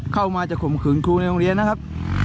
เข้ามาจะข่มขืนครูในโรงเรียนนะครับ